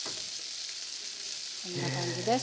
こんな感じです。